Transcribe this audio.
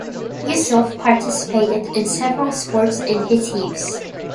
Yusof participated in several sports in his youth.